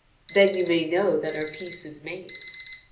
"Then you may know that our peace is made."